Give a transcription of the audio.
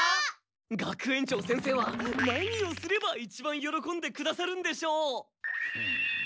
学園長先生は何をすればいちばんよろこんでくださるんでしょう？